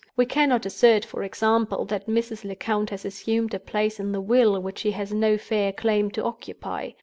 We cannot assert, for example, that Mrs. Lecount has assumed a place in the will which she has no fair claim to occupy.